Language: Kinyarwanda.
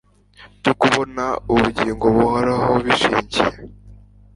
byo kubona ubugingo buhoraho bishingiye